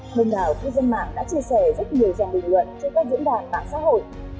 mình đảo khu dân mạng đã chia sẻ rất nhiều dòng bình luận cho các diễn đàn tảng xã hội